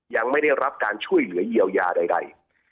ยังไม่ได้รับการช่วยเหลือเยียวยาใด